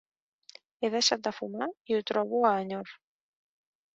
He deixat de fumar i ho trobo a enyor.